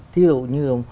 thí dụ như